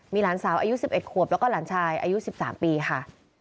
มีหลานสาวอายุ๑๑ขวบแล้วก็หลานชายอายุ๑๓ปีค่ะ